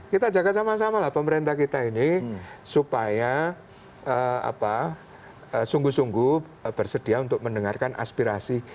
kita jaga sama sama lah pemerintah kita ini supaya sungguh sungguh bersedia untuk mendengarkan aspirasi